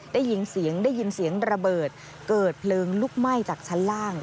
ได้ยินเสียงได้ยินเสียงระเบิดเกิดเพลิงลุกไหม้จากชั้นล่าง